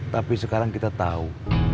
tapi sekarang kita tahu